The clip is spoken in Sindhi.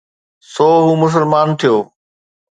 سو هو مسلمان ٿيو